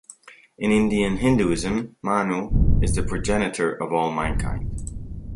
In Indian Hinduism "Manu" is the progenitor of all mankind.